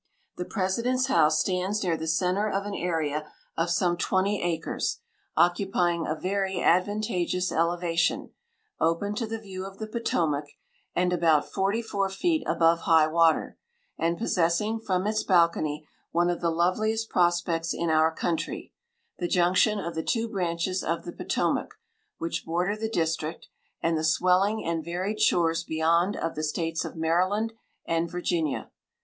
The President's House stands near the centre of an area of some twenty acres, occupying a very advantageous elevation, open to the view of the Potomac, and about forty four feet above high water, and possessing from its balcony one of the loveliest prospects in our country—the junction of the two branches of the Potomac which border the district, and the swelling and varied shores beyond of the States of Maryland and Virginia.